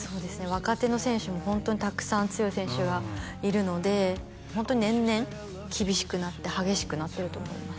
若手の選手もホントにたくさん強い選手がいるのでホントに年々厳しくなって激しくなってると思います